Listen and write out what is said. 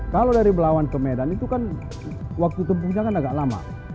kalau dari belawan ke medan itu kan waktu tempuhnya kan agak lama